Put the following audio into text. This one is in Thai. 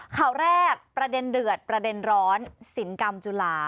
ข่าวแรกประเด็นเดือดประเด็นร้อนสินกรรมจุฬา